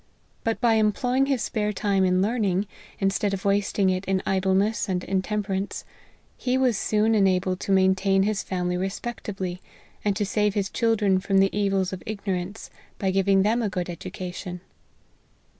But by employing his spare time in learn ing, instead of wasting it in idleness and intemper ance, he was' soon enabled to maintain his family respectably, and to save his children from the evils of ignorance, by giving them a good education.